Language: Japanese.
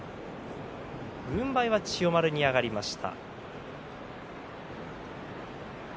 軍配は千代丸に上がりました。